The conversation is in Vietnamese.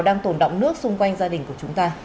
đang tồn đọng nước xung quanh gia đình của chúng ta